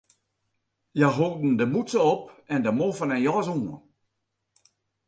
Hja holden de mûtse op en de moffen en jas oan.